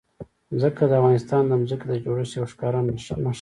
ځمکه د افغانستان د ځمکې د جوړښت یوه ښکاره نښه ده.